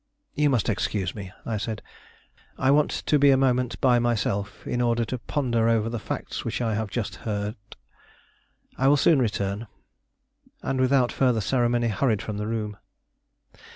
"You must excuse me," I said; "I want to be a moment by myself, in order to ponder over the facts which I have just heard; I will soon return "; and without further ceremony, hurried from the room.